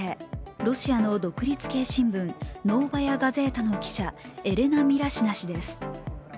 ロシアの独立系新聞「ノーバヤ・ガゼータ」の記者エレナ・ミラシナ記者です。